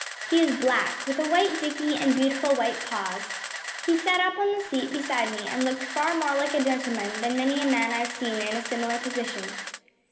He is black, with a white dicky and beautiful white paws. He sat up on the seat beside me and looked far more like a gentleman than many a man I’ve seen in a similar position.